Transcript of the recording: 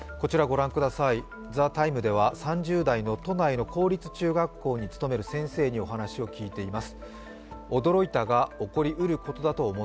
「ＴＨＥＴＩＭＥ，」では３０代の公立中学校に勤める先生にお話を聞いています。